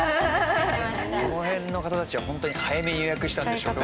この辺の方たちはホントに早めに予約したんでしょうね。